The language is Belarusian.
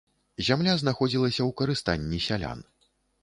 Зямля знаходзілася ў карыстанні сялян.